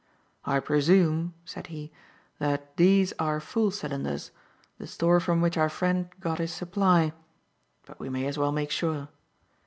"I presume," said he, "that these are full cylinders; the store from which our friend got his supply, but we may as well make sure."